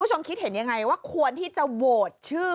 คุณผู้ชมคิดเห็นยังไงว่าควรที่จะโหวตชื่อ